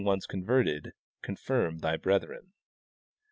207 once converted, confirm thy brethren."